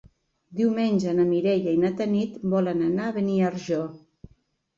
Diumenge na Mireia i na Tanit volen anar a Beniarjó.